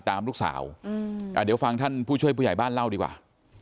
ตามลูกสาวเดี๋ยวฟังท่านผู้ช่วยผู้ใหญ่บ้านเล่าดีกว่า